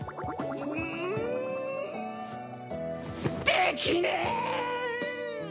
できねぇ！